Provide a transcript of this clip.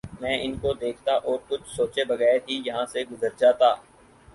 میں ان کو دیکھتا اور کچھ سوچے بغیر ہی یہاں سے گزر جاتا